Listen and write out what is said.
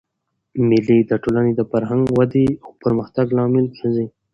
مېلې د ټولني د فرهنګي ودئ او پرمختګ لامل ګرځي.